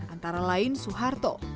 antara lain suharto